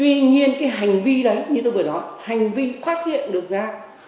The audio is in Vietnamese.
vì vậy như tôi vừa nói hành vi phát hiện được ra